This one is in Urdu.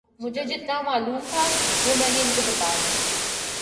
مجھے جتنا معلوم تھا وہ میں نے ان کو بتا دیا